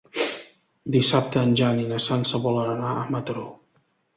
Dissabte en Jan i na Sança volen anar a Mataró.